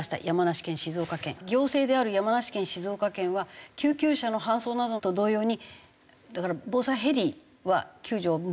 行政である山梨県静岡県は救急車の搬送などと同様にだから防災ヘリは救助を無料としており。